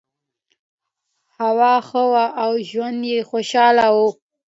هوا ښه وه او ژوند یې خوشحاله و.